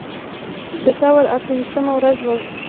د ثور اته ویشتمه ورځ وه.